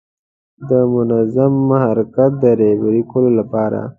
د منظم حرکت د رهبري کولو لپاره.